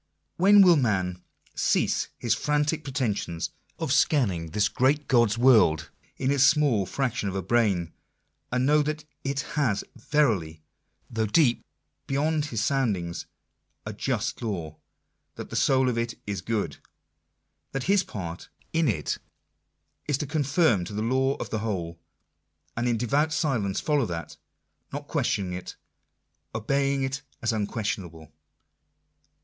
When will man " cease his frantic pretension of scanning this great God's World in his small fraction of a brain; and know that it has verily, though deep beyond his soundings, a Just Law ; that the soul of it is good ;— that his part in it is to oonform to the Law of the Whole, and in devout silence follow that, not questioning it, obeying it as unquestionable."